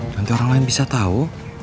nanti orang lain bisa tahu